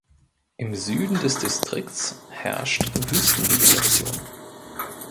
Im Süden des Distrikts herrscht Wüstenvegetation.